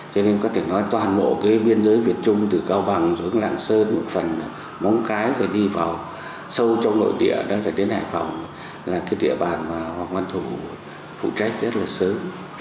cho nên có thể nói toàn bộ cái biên giới việt trung từ cao bằng xuống lạng sơn một phần là móng cái và đi vào sâu trong nội địa đó là đến hải phòng là cái địa bàn mà hoàng văn thụ phụ trách rất là sớm